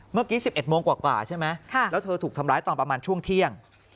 ๑๑โมงกว่าใช่ไหมแล้วเธอถูกทำร้ายตอนประมาณช่วงเที่ยง